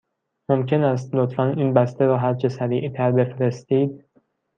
ممکن است لطفاً این بسته را هرچه سریع تر بفرستید؟